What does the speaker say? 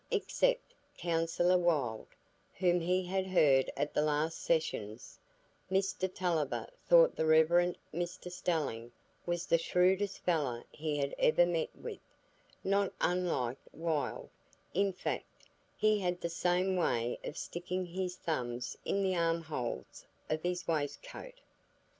Except Counsellor Wylde, whom he had heard at the last sessions, Mr Tulliver thought the Rev. Mr Stelling was the shrewdest fellow he had ever met with,—not unlike Wylde, in fact; he had the same way of sticking his thumbs in the armholes of his waistcoat.